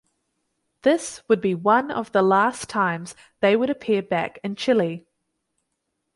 This would be one of the last times they would appear back in Chile.